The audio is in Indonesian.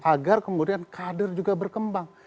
agar kemudian kader juga berkembang